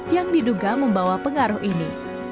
yang diduga membawa pengaruh ini